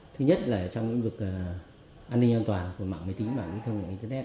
thứ nhất là trong lĩnh vực an ninh an toàn của mạng máy tính mạng viễn thông mạng internet